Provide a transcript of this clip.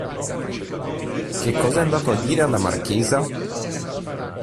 Che cosa è andato a dire alla marchesa?